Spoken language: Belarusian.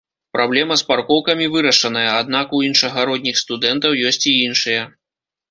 Праблема з паркоўкамі вырашаная, аднак у іншагародніх студэнтаў ёсць і іншыя.